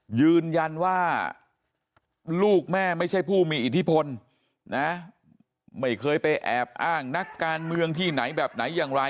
ยืนยันว่าลูกแม่ไม่ใช่ผู้มีอิทธิพลนะไม่เคยไปแอบอ้างนักการเมืองที่ไหนแบบไหนอย่างไร